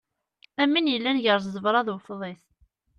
Am win yellan gar ẓẓebra d ufḍis.